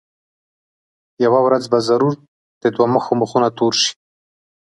یوه ورځ به ضرور د دوه مخو مخونه تور شي.